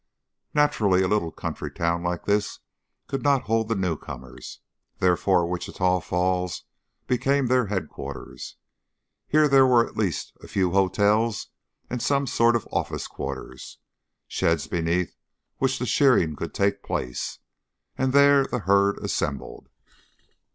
Naturally a little country town like this could not hold the newcomers, therefore Wichita Falls became their headquarters. Here there were at least a few hotels and some sort of office quarters sheds beneath which the shearing could take place and there the herd assembled.